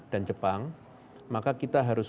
dan jepang maka kita harus